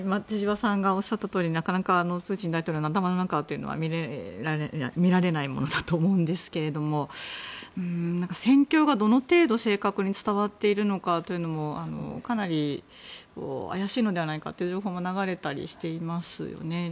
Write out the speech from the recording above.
千々和さんがおっしゃったとおりなかなかプーチン大統領の頭の中は見られないものだと思うんですけど戦況がどの程度、正確に伝わっているのかというのもかなり怪しいのではないかということも流れていたりしますよね。